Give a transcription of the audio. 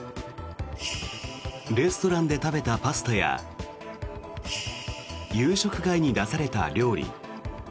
レストランで食べたパスタや夕食会に出された料理